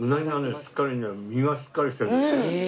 しっかりね身がしっかりしてる。